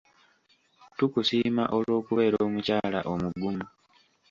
Tukusiima olw'okubeera omukyala omugumu.